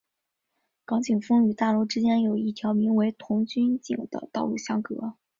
港景峰与大楼之间有一条名为童军径的道路相隔。